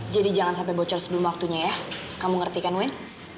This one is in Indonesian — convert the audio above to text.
jadi jangan sampai bocor sebelum waktunya ya kamu ngerti kan win